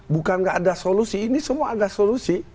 bukan nggak ada solusi ini semua ada solusi